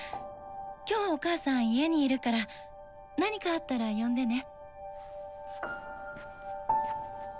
今日はお母さん家にいるから何かあったら呼んでね。